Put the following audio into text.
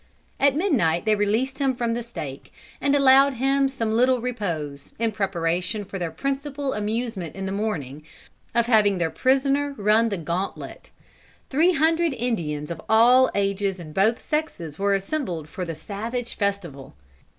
"At midnight they released him from the stake, and allowed him some little repose, in preparation for their principal amusement in the morning, of having their prisoner run the gauntlet. Three hundred Indians of all ages and both sexes were assembled for the savage festival.